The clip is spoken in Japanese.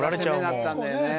攻めだったんだよね